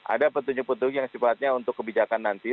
ada petunjuk petunjuk yang sifatnya untuk kebijakan nanti